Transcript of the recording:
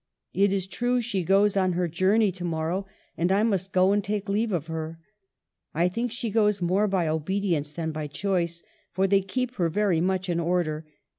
It is true she goes on her journey ^ to morrow, and I must go and take leave of her. I think "".he goes more by obedience than by choice, for they keep her very much in order.